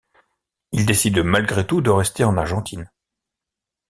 Il décide malgré tout de rester en Argentine.